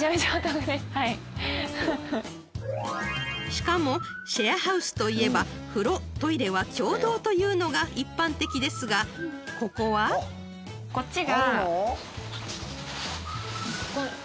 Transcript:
［しかもシェアハウスといえば風呂トイレは共同というのが一般的ですがここは］こっちが。